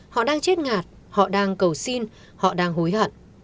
họ đang chết ngạt họ đang cầu xin họ đang hối hận